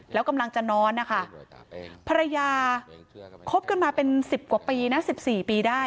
แล้วกำลังจะนอนนะคะภรรยาคบกันมาเป็น๑๐กว่าปีนะ๑๔ปีได้